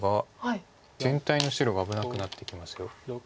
全体の白が危なくなってきます。